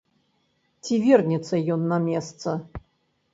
Ці вернецца ён на месца?